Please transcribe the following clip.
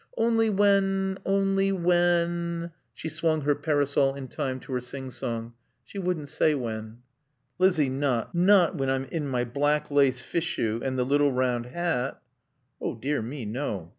"Only when only when " She swung her parasol in time to her sing song. She wouldn't say when. "Lizzie not not when I'm in my black lace fichu and the little round hat?" "Oh, dear me no.